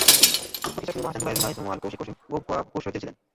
পুস্কর খীসা মিমো, হাসান জুবায়ের নিলয়, সারোয়ার, কৌশিক, অসীম গোপ, খোরশেদরা ছিলেন।